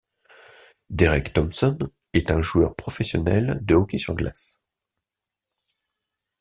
Derek Thompson est un joueur professionnel de hockey sur glace.